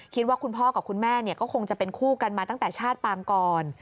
คุณพ่อกับคุณแม่ก็คงจะเป็นคู่กันมาตั้งแต่ชาติปางก่อน